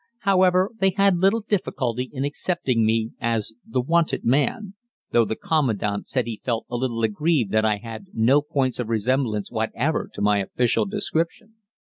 However, they had little difficulty in accepting me as the "wanted" man, though the commandant said he felt a little aggrieved that I had no points of resemblance whatever to my official description.